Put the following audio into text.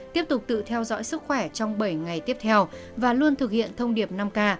tiếp tục tự theo dõi sức khỏe trong bảy ngày tiếp theo và luôn thực hiện thông điệp năm k